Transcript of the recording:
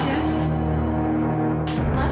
tidak ada masalah